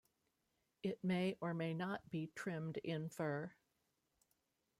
It may or may not be trimmed in fur.